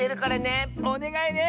おねがいね。